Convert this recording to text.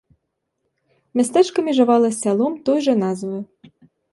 Мястэчка межавала з сялом той жа назвы.